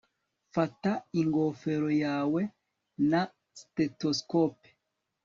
fata ingofero yawe na stethoscope